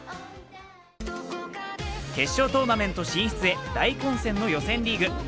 決勝トーナメント進出へ大混戦の予選リーグ。